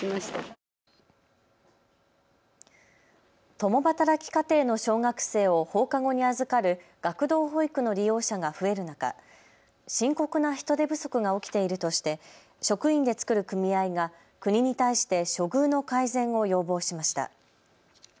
共働き家庭の小学生を放課後に預かる学童保育の利用者が増える中、深刻な人手不足が起きているとして職員で作る組合が国に対して処遇の改善を要望しました。